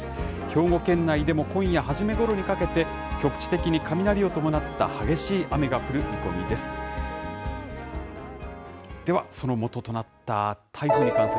兵庫県内でも、今夜初めごろにかけて、局地的に雷を伴った激しい雨が降る見込みです。